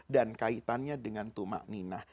dan kaitannya dengan tumak ninah